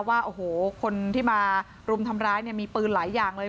ว่าโอ้โหคนที่มารุมทำร้ายเนี่ยมีปืนหลายอย่างเลย